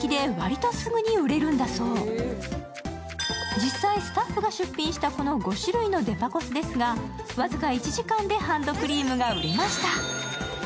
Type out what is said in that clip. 実際、スタッフが出品したこの５種類のデパコスですが僅か１時間でハンドクリームが売れました。